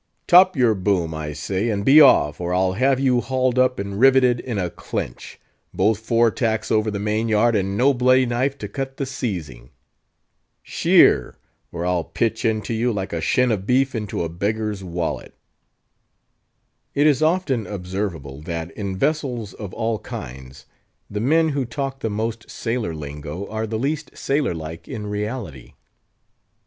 Top your boom, I say, and be off, or I'll have you hauled up and riveted in a clinch—both fore tacks over the main yard, and no bloody knife to cut the seizing. Sheer! or I'll pitch into you like a shin of beef into a beggar's wallet." It is often observable, that, in vessels of all kinds, the men who talk the most sailor lingo are the least sailor like in reality.